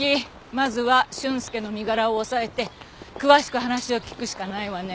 まずは俊介の身柄を押さえて詳しく話を聞くしかないわね。